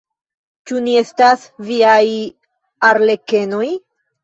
Ĉu ni estas viaj arlekenoj?